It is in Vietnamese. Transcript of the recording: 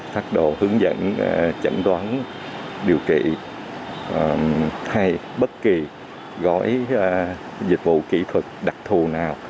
phát đồ hướng dẫn chẩn đoán điều trị hay bất kỳ gói dịch vụ kỹ thuật đặc thù nào